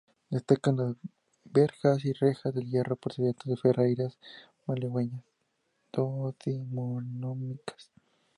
Destacan las verjas y rejas de hierro, procedentes de ferrerías malagueñas decimonónicas.